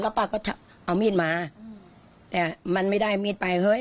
ป้าก็เอามีดมาแต่มันไม่ได้มีดไปเฮ้ย